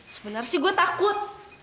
sebenernya sih gue takut